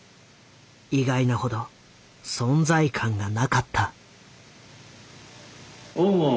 意外なほど存在感がなかった。